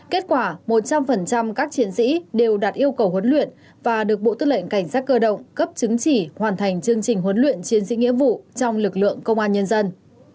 kết quả một trăm linh các chiến sĩ đều đạt yêu cầu huấn luyện và được bộ tư lệnh cảnh sát cơ động cấp chứng chỉ hoàn thành chương trình huấn luyện chiến sĩ nghĩa vụ trong lực lượng công an nhân dân